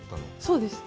そうです。